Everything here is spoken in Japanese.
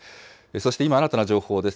そして今、新たな情報です。